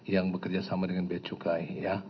yang bekerja sama dengan biacukai